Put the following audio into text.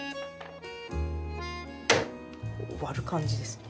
割る感じですね。